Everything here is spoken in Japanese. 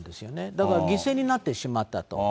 だから犠牲になってしまったと。